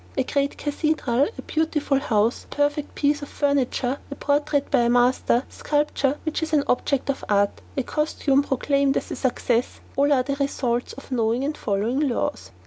A great cathedral, a beautiful house, a perfect piece of furniture, a portrait by a master, sculpture which is an object of art, a costume proclaimed as a success; all are the results of knowing and following laws.